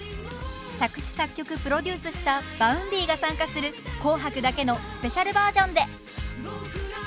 作詞作曲プロデュースしたＶａｕｎｄｙが参加する「紅白」だけのスペシャルバージョンで。